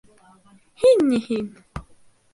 — Һин, ни, һин!..